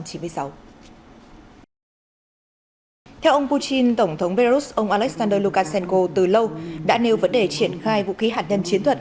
theo ông putin tổng thống belarus ông alexander lukashenko từ lâu đã nêu vấn đề triển khai vũ khí hạt nhân chiến thuật